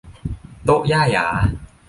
โต๊ะย่าหยา